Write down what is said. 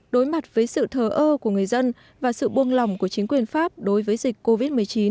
đối mặt với sự thờ ơ của người dân và sự buông lòng của chính quyền pháp đối với dịch covid một mươi chín